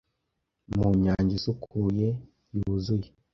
mu nyanja isukuye yuzuye